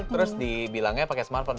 terus dibilangnya pakai smartphone